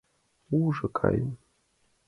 “Ушыжо каен!..